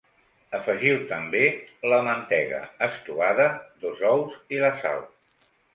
Afegiu també la mantega estovada, dos ous i la sal.